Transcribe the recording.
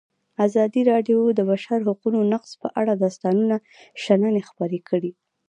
ازادي راډیو د د بشري حقونو نقض په اړه د استادانو شننې خپرې کړي.